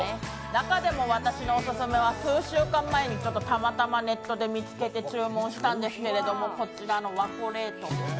中でも私のオススメは数週間前にたまたまネットで見つけて注文したんですけどもこちらのＷＡＣＯＬＡＴＥ。